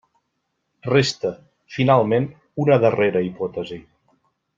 Resta, finalment, una darrera hipòtesi.